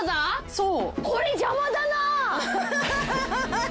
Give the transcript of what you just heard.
そう。